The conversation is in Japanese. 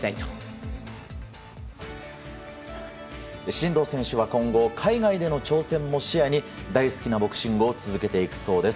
真道選手は今後海外での挑戦も視野に大好きなボクシングを続けていくそうです。